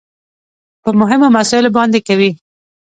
په مهمو مسايلو باندې کوي .